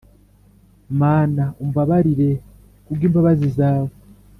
Mana umbabarire ku bw imbabazi zawe